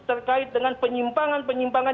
terkait dengan penyimpangan penyimpangan